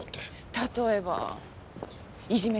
例えばいじめとか？